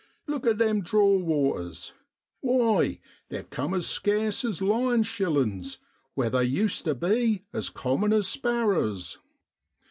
Look at them draw waters why, they've come as scarce as lion shillin's where they used tu be as common as sparrers.